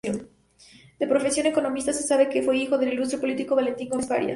De profesión economista, se sabe que fue hijo del ilustre político Valentín Gómez Farías.